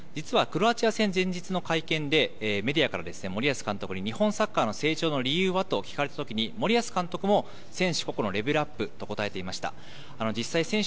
実はクロアチア戦前日の会見で、メディアから森保監督に、日本サッカーの成長の理由は？と聞かれたときに、森保監督も、選手個々のレベルアップと答えていました。